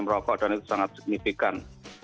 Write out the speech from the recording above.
merokok dan itu sangat signifikan